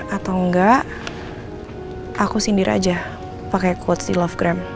atau enggak aku sindir aja pake quotes di lovegram